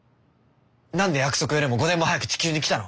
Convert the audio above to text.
なんで約束よりも５年も早く地球に来たの？